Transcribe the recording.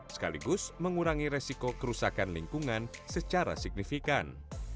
sekaligus mengurangi resiko kerusakan lingkungan secara signifikan